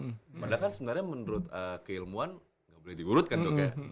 memandangkan sebenarnya menurut keilmuan gak boleh diurut kan dok ya